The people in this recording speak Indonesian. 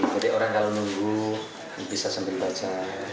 jadi orang kalau nunggu bisa sambil baca